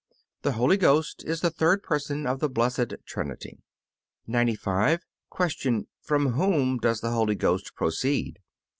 The Holy Ghost is the third Person of the Blessed Trinity. 95. Q. From whom does the Holy Ghost proceed?